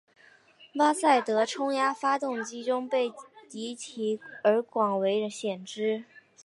巴萨德冲压发动机中被提及而广为所知。